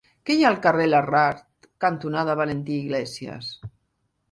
Què hi ha al carrer Larrard cantonada Valentí Iglésias?